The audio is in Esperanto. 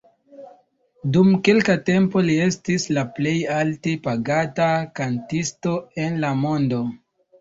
Dum kelka tempo li estis la plej alte pagata kantisto en la mondo.